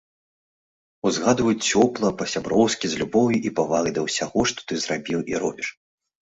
Узгадваюць цёпла, па-сяброўску, з любоўю і павагай да ўсяго, што ты зрабіў і робіш.